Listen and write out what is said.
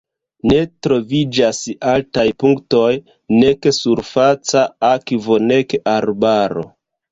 Ne troviĝas altaj punktoj, nek surfaca akvo, nek arbaro.